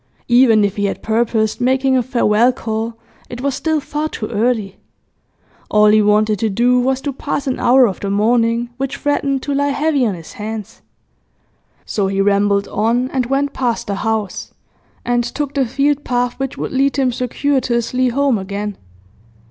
Even if he had purposed making a farewell call, it was still far too early; all he wanted to do was to pass an hour of the morning, which threatened to lie heavy on his hands. So he rambled on, and went past the house, and took the field path which would lead him circuitously home again.